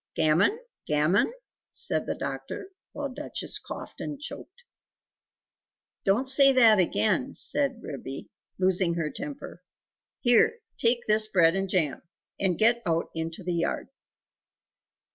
"Gammon? Gammon?" said the doctor, while Duchess coughed and choked. "Don't say that again!" said Ribby, losing her temper "Here, take this bread and jam, and get out into the yard!"